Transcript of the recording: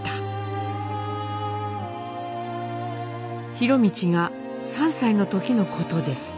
博通が３歳の時のことです。